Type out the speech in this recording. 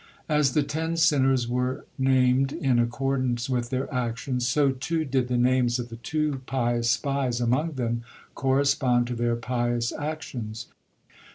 As the ten sinners were name in accordance with their actions, so too did the names of the two pious spies among them correspond to their pious actions.